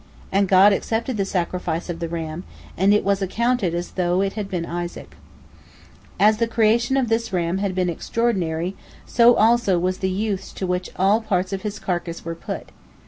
And God accepted the sacrifice of the ram, and it was accounted as though it had been Isaac. As the creation of this ram had been extraordinary, so also was the use to which all parts of his carcass were put.